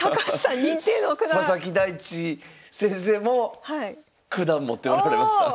佐々木大地先生も九段持っておられました。